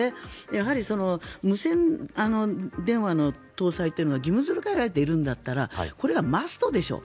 やはり無線電話の搭載というのが義務付けられているんだったらこれがマストでしょ。